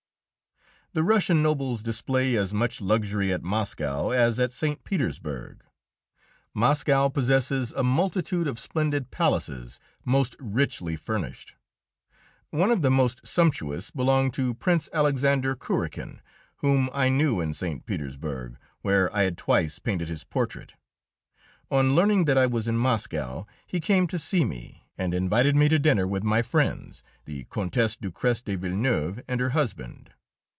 The Russian nobles display as much luxury at Moscow as at St. Petersburg. Moscow possesses a multitude of splendid palaces most richly furnished. One of the most sumptuous belonged to Prince Alexander Kurakin, whom I knew in St. Petersburg, where I had twice painted his portrait. On learning that I was in Moscow, he came to see me, and invited me to dinner with my friends, the Countess Ducrest de Villeneuve and her husband.